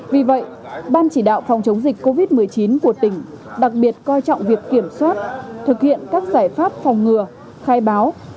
vì vậy ban chỉ đạo phòng chống dịch covid một mươi chín của tỉnh đặc biệt coi trọng việc kiểm soát thực hiện các giải pháp phòng ngừa khai báo